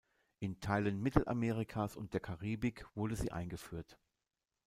In Teilen Mittelamerikas und der Karibik wurde sie eingeführt.